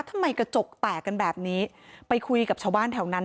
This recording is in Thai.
ทำไมกระจกแตกกันแบบนี้ไปคุยกับชาวบ้านแถวนั้น